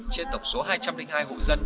trên tổng số hai trăm linh hai hồ dân